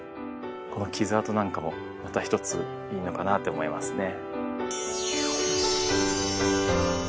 この傷痕なんかもまたひとついいのかなって思いますね。